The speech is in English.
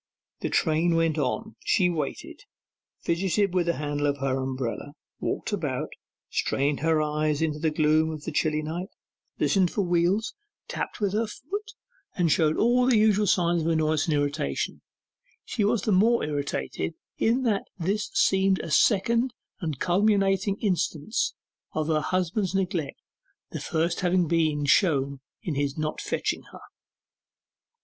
The train went on. She waited, fidgeted with the handle of her umbrella, walked about, strained her eyes into the gloom of the chilly night, listened for wheels, tapped with her foot, and showed all the usual signs of annoyance and irritation: she was the more irritated in that this seemed a second and culminating instance of her husband's neglect the first having been shown in his not fetching her.